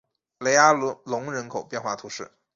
雷阿隆人口变化图示